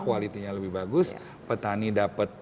kualitinya lebih bagus petani dapat